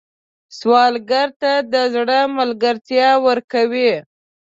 سوالګر ته د زړه ملګرتیا ورکوئ